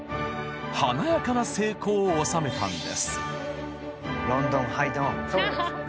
華やかな成功を収めたんです。